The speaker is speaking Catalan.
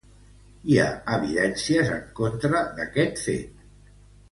Hi ha evidències en contra d'este fet.